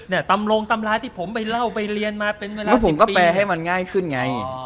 ตำรงตำราที่ผมไปเล่าไปเรียนมาเป็นเวลาแล้วผมก็แปลให้มันง่ายขึ้นไง